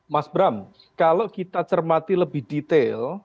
mas bram kalau kita cermati lebih detail